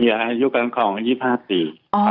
มีอายุการ์มคลอง๒๕ปี